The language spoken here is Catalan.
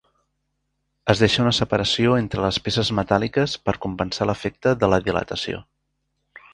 Es deixa una separació entre les peces metàl·liques per compensar l'efecte de la dilatació.